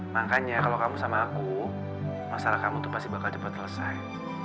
makanya kalau kamu sama aku masalah kamu tuh pasti bakal cepat selesai